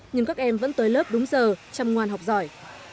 nhưng các em vẫn tới lớp đúng giờ chăm ngoan học giỏi